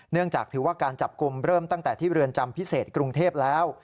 จากถือว่าการจับกลุ่มเริ่มตั้งแต่ที่เรือนจำพิเศษกรุงเทพแล้ว